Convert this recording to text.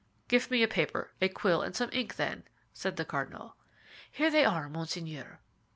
"Give me paper, a quill, and some ink, then," said the cardinal. "Here they are, monseigneur."